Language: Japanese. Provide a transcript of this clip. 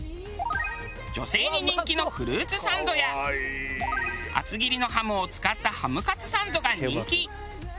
女性に人気のフルーツサンドや厚切りのハムを使ったハムカツサンドが人気。